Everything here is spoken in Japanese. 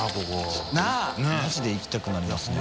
マジで行きたくなりますね。